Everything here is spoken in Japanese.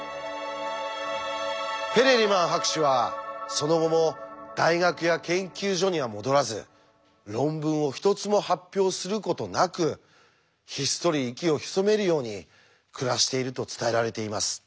ペレリマン博士はその後も大学や研究所には戻らず論文を一つも発表することなくひっそり息を潜めるように暮らしていると伝えられています。